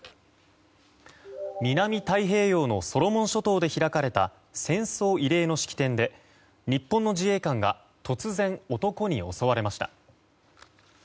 南太平洋のソロモン諸島で開かれた戦争慰霊の式典で日本の自衛官が突然男に襲われました。